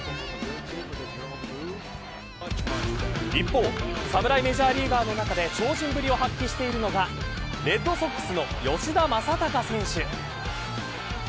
一方、侍メジャーリーガーの中で超人ぶりを発揮しているのがレッドソックスの吉田正尚選手。